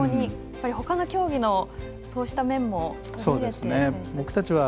ほかの競技のそうした面も。